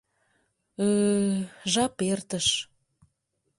— Ы-ы, жап эртыш...